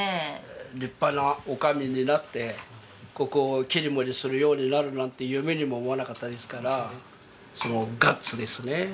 立派な女将になってここを切り盛りするようになるなんて夢にも思わなかったですからそのガッツですね